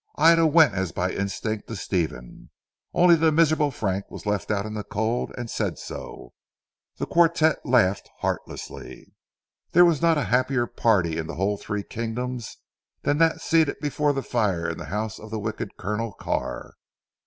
Ida went as by instinct to Stephen. Only the miserable Frank was left out in the cold, and said so. The quartette laughed heartlessly. There was not a happier party in the whole three kingdoms than that seated before the fire in the house of wicked Colonel Carr.